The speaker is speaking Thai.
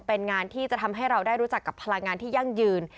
เป็นงานที่จะทำให้เราได้รู้จักกับพลังงานที่ยั่งยืน